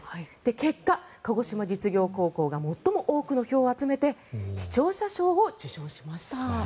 結果、鹿児島実業高校が最も多くの票を集めて視聴者票を受賞しました。